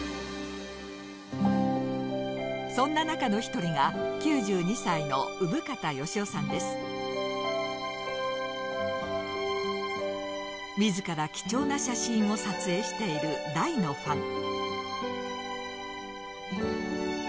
そんな中の一人が自ら貴重な写真を撮影している大のファン。